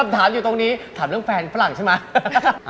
ถามอยู่ตรงนี้ถามเรื่องแฟนฝรั่งใช่ไหม